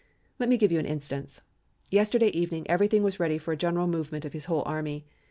Let me give you an instance. Yesterday evening everything was ready for a general movement of his whole army.